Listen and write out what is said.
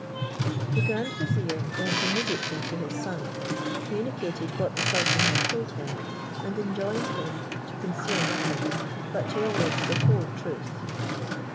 The grand vizier went immediately to his son, communicated what the sultan had told him, and enjoined him to conceal nothing, but to relate the whole truth.